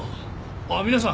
あっ皆さん。